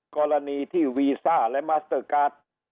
กรณีที่วีซ่าและมัสเตอร์การ์ด